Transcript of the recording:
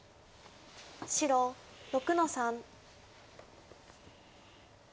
白６の三。